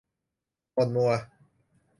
หม่นมัว